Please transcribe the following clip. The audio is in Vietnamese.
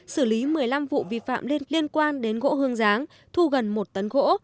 xử lý một mươi năm vụ vi phạm liên quan đến gỗ hương giáng thu gần một tấn gỗ